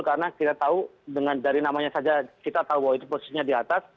karena kita tahu dari namanya saja kita tahu bahwa itu posisinya di atas